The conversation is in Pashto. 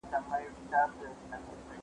زه به سبا سبزیجات جمع کوم!.